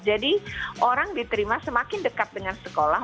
jadi orang diterima semakin dekat dengan sekolah